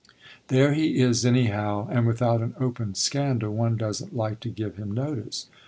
There he is, anyhow, and without an open scandal one doesn't like to give him notice.